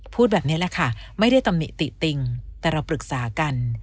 พูดแบบนี้แหละค่ะไม่ได้ตำหนิติติงแต่เราปรึกษากัน